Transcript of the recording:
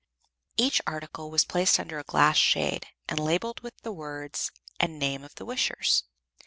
Each article was placed under a glass shade, and labelled with the words and name of the wishers.